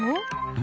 何？